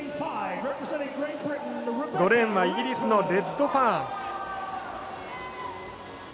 ５レーンはイギリスのレッドファーン。